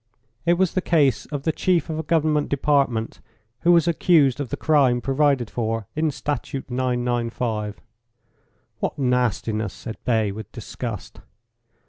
It was the case of the chief of a Government department, who was accused of the crime provided for in Statute 995. "What nastiness," said Bay, with disgust.